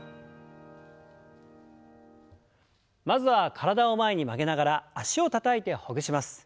まずは体を前に曲げながら脚をたたいてほぐします。